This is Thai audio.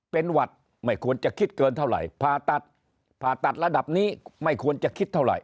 เป็นหวัดไม่ควรจะคิดเกินเท่าไหร่ผ่าตัดผ่าตัดระดับนี้ไม่ควรจะคิดเท่าไหร